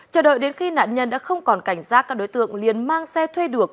chờ đợi đến khi nạn nhân đã không còn cảnh giác các đối tượng liền mang xe thuê được